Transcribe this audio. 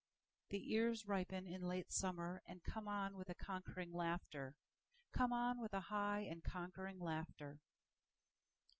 The ears ripen in late summerAnd come on with a conquering laughter, Come on with a high and conquering laughter.